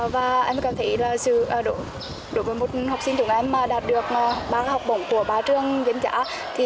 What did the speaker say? và em cảm thấy là đối với một học sinh chúng em mà đạt được ba học bổng của ba trường viên trả thì em thấy rất là ngưỡng mộ bạn